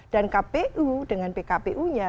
dan kpu dengan pkpu nya